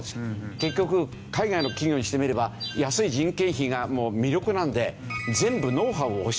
結局海外の企業にしてみれば安い人件費が魅力なので全部ノウハウを教えちゃったんですよ。